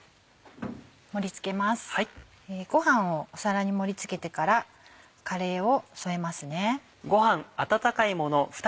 盛り付けますご飯をお皿に盛り付けてからカレーを添えます。